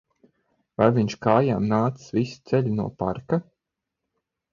Vai viņš kājām nācis visu ceļu no parka?